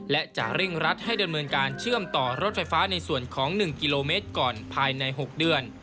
และจะเร่งรัดให้ดำเนินการเชื่อมต่อรถไฟฟ้าในส่วนของ๑กิโลเมตรก่อนภายใน๖เดือน